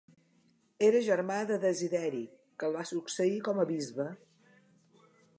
Era germà de Desideri, que el va succeir com a bisbe.